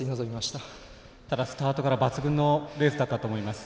ただ、スタートから抜群のレースだったと思います。